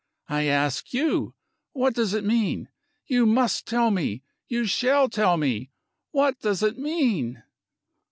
I ask you. What does it mean? You must tell me! You shall tell me! What does it mean?"